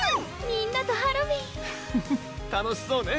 みんなとハロウィーンフフッ楽しそうね